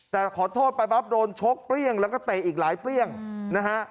แต่ขอโทษไปปั๊บโดนชกเปรี้ยงแล้วก็เตะอีกหลายเปรี้ยงนะฮะ